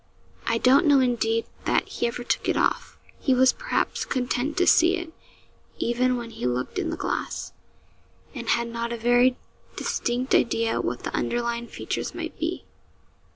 I don't know indeed, that he ever took it off. He was, perhaps, content to see it, even when he looked in the glass, and had not a very distinct idea what the underlying features might be.